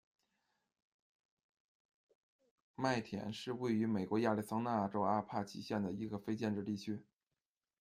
麦田是位于美国亚利桑那州阿帕契县的一个非建制地区。